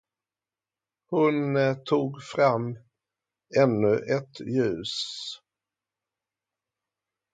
Hon tog fram ännu ett ljus.